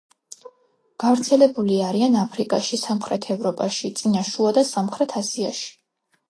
გავრცელებული არიან აფრიკაში, სამხრეთ ევროპაში, წინა, შუა და სამხრეთ აზიაში.